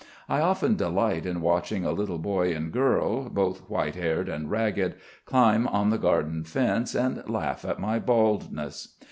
I often delight in watching a little boy and girl, both white haired and ragged, climb on the garden fence and laugh at my baldness.